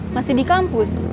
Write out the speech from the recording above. masih di kampus